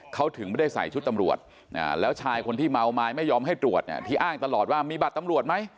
เขาถึงไม่ได้ใส่ชุดตำรวจแล้วชายคนที่เมาไม้ไม่ยอมให้ตรวจเนี่ยที่อ้างตลอดว่ามีบัตรตำรวจไหม